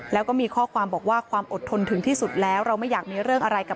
แล้วก็มีข้อความบอกว่าความอดทนถึงที่สุดแล้วเราไม่อยากมีเรื่องอะไรกับ